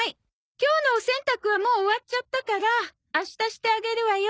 今日のお洗濯はもう終わっちゃったから明日してあげるわよ。